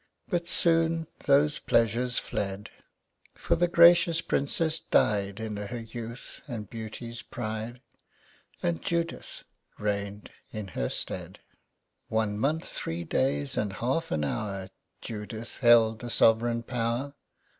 But soon those pleasures fled, For the gracious princess dy'd In her youth and beauties pride, And Judith reigned in her sted. One month, three days, and half an hour Judith held the soveraign power.